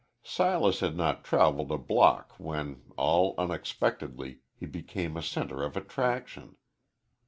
Silas had not travelled a block when, all unexpectedly, he became a centre of attraction.